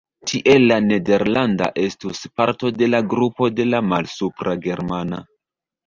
Tiel la nederlanda estus parto de la grupo de la malsupra germana.